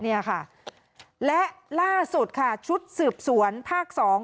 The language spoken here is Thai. เนี่ยค่ะและล่าสุดค่ะชุดสืบสวนภาคสอง